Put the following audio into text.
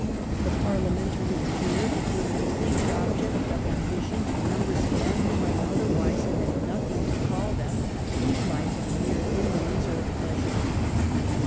The Parliamentary career became a distinct object of ambition to num bers of men who might otherwise have had nothing to call them from a life of mere indolence or pleasure.